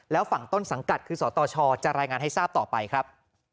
แล้วฝั่งต้นสังกัดคือสตชจะรายงานให้ทราบต่อไปครับ